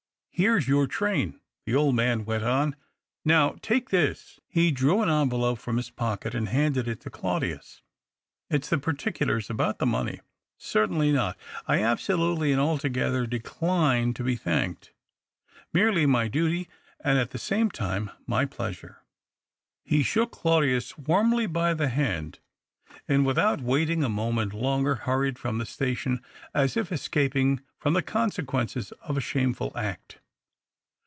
" Here's your train," the old man went on. " Now take this "— he drew an envelope from his pocket and handed it to Claudius —" it's the particulars about the money. Certainly not — I absolutely and altogether decline to be thanked. Merely my duty, and at the same time my pleasure." He shook Claudius warmly by the hand, and, without waiting a moment longer hurried from the station, as if escaping from the consequences of a shameful act.